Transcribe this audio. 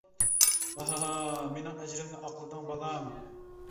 ھا ھا ھا. ، مېنىڭ ئەجرىمنى ئاقلىدىڭ بالام.